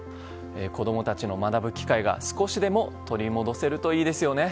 子供たちの学ぶ機会が少しでも取り戻せるといいですね。